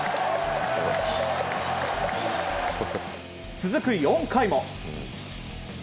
続く４回も。